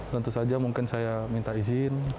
tentu saja mungkin saya minta izin